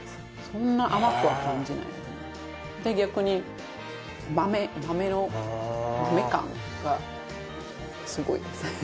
そんなに甘くは感じないですで逆に豆豆の豆感がすごいですね